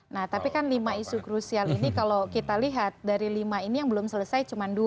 nah tapi kan lima isu krusial ini kalau kita lihat dari lima ini yang belum selesai cuma dua